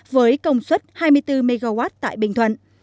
với công suất hai mươi bốn mw tại bình thuận